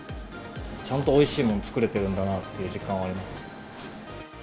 ちゃんとおいしいもの作れてるんだなという実感はありますね。